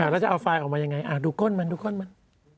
แล้วจะเอาไฟล์ออกมายังไงดูก้นมันดูก้นมัน